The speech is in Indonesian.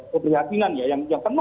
keperhatian yang penuh